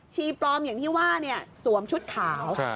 ปลอมอย่างที่ว่าสวมชุดขาว